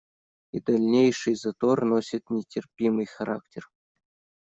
И дальнейший затор носит нетерпимый характер.